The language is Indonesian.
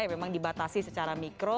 memang dibatasi secara mikro